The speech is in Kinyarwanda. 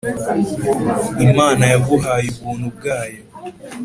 imana yaguhaye ubuntu bwayo